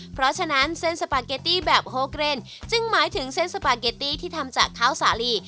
เพราะฉะนั้นเส้นสปาเกตตี้แบบโฮเกรนจึงหมายถึงเส้นสปาเกตตี้ที่ทำจากข้าวสาลี